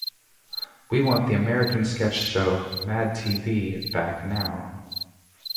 We want the american sketch show Mad tv back, now!